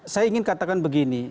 saya ingin katakan begini